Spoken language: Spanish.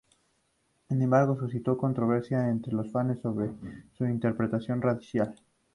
Sin embargo, suscitó controversia entre los fanes sobre su interpretación racial.